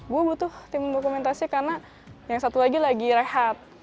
gue butuh tim dokumentasi karena yang satu lagi lagi rehat